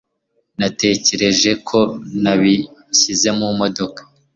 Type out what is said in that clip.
Natekereje ko nabishyize mu modoka.